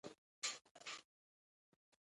د موقت انفصال او حقوقو او امتیازاتو حالت تشریح کړئ.